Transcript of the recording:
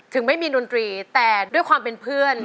ไม่มีดนตรีแต่ด้วยความเป็นเพื่อน